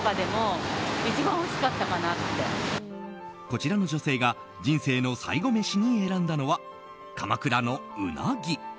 こちらの女性が人生の最後メシに選んだのは鎌倉のウナギ。